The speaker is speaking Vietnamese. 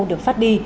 được phát đi